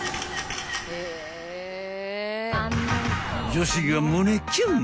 ［女子が胸キュン］